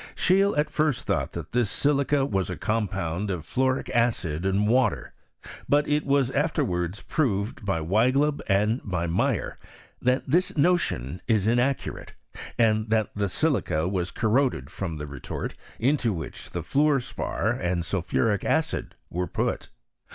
Scheele at first thought that this silica was a compound of fluoric acid and water; but it was afterwards proved by Weigleb and by Meyer, that this notion is inaccurate, and that the silica was corroded from the retort into which the fluor spar and sulphuric acid were put.